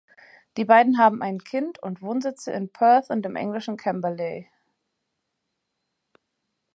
Die beiden haben ein Kind und Wohnsitze in Perth und im englischen Camberley.